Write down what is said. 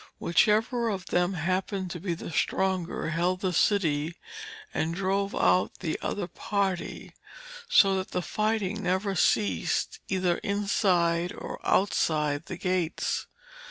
Whichever of them happened to be the stronger held the city and drove out the other party, so that the fighting never ceased either inside or outside the gates.